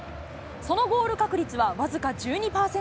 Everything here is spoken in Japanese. そのゴール確率は僅か１２％。